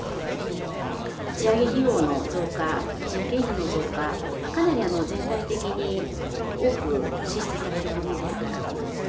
打ち上げ費用の増加、人件費の増加、かなり全体的に多く支出されるものですから。